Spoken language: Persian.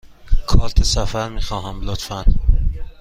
کارت سفر می خواهم، لطفاً.